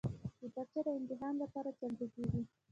کتابچه د امتحان لپاره چمتو کېږي